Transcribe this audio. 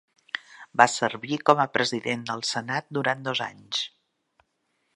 Va servir com a President del Senat durant dos anys.